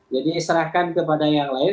jadi istirahatkan kepada yang lain